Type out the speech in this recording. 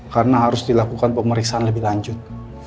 karena harus dilakukan pemeriksaan lebih lanjut